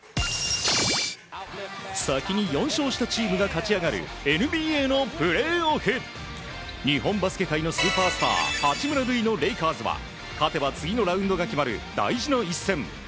先に４勝したチームが勝ち上がるＮＢＡのプレーオフ。日本バスケ界のスーパースター八村塁のレイカーズは勝てば次のラウンドが決まる大事な一戦。